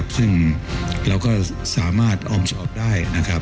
ซึ่งเราก็สามารถออมสอบได้